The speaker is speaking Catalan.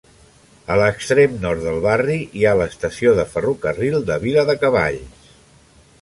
A l'extrem nord del barri hi ha l'estació de ferrocarril de Viladecavalls.